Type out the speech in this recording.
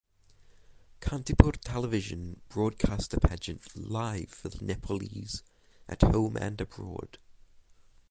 Kantipur Television broadcast the pageant live for the Nepalese at home and abroad.